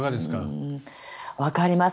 わかります。